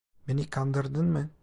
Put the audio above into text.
Beni kandırdın mı?